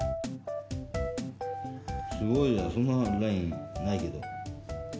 すごいそんなラインないけど。